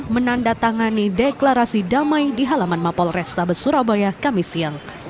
menandatangani deklarasi damai di halaman mapol restabes surabaya kamis siang